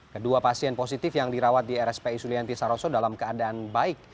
kedua pasien positif yang dirawat di rspi sulianti saroso dalam keadaan baik